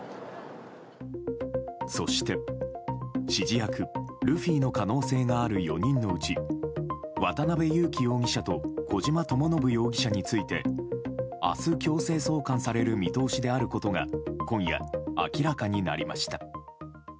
そして、指示役ルフィの可能性がある４人のうち渡辺優樹容疑者と小島智信容疑者について明日、強制送還される見通しであることが今夜、明らかになりました。